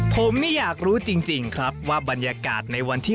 ผมนี่อยากรู้จริงครับว่าบรรยากาศในวันที่